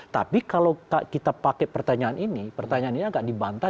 tapi kalau kita pakai pertanyaan ini pertanyaannya agak dibantah